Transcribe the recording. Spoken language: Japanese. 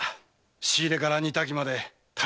仕入れから煮炊きまで大したもんだ。